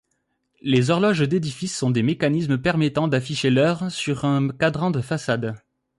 Les horloges d'édifice sont des mécanismes permettant d'afficher l'heure sur un cadran de façade.